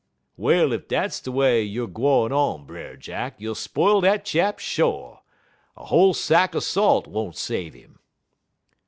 "Well, ef dat's de way youer gwine on, Brer Jack, you'll spile dat chap sho'. A whole sack er salt won't save 'im."